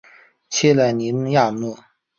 切雷尼亚诺。